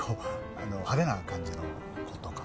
あの派手な感じの子とか。